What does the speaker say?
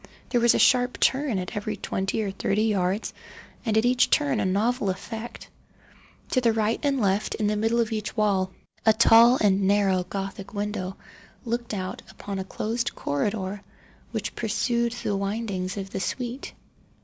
There was a sharp turn at every twenty or thirty yards, and at each turn a novel effect. To the right and left, in the middle of each wall, a tall and narrow Gothic window looked out upon a closed corridor which pursued the windings of the suite.